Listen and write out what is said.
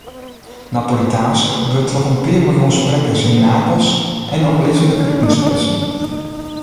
Napolitaansk wurdt troch in pear miljoen sprekkers yn Napels en omlizzende kriten sprutsen.